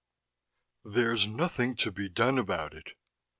13 "There's nothing to be done about it."